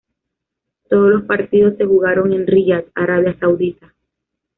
Todos los partidos se jugaron en Riyad, Arabia Saudita.